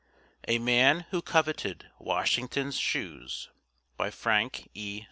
A MAN WHO COVETED WASHINGTON'S SHOES By Frank E.